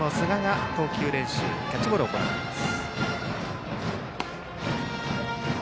そして寿賀が投球練習キャッチボールを行っています。